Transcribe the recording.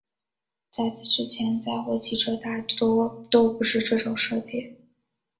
在此之前载货汽车大多都不是这种设计。